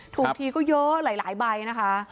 ถูกทีก็เยอะหลายใบนะคะ